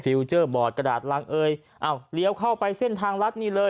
เจอร์บอร์ดกระดาษรังเอยอ้าวเลี้ยวเข้าไปเส้นทางรัฐนี่เลย